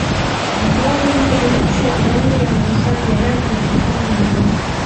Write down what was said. ئەھۋالىمنى ئېنىق چۈشەندۈرەلمىگەن بولسام يەنە تولۇقلىسام بولىدۇ.